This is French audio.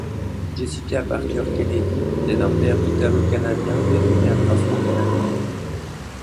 Jessica Parker Kennedy naît d’un père italo-canadien et d’une mère afro-canadienne.